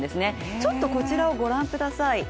ちょっとこちらをご覧ください。